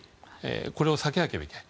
これを避けなければいけない。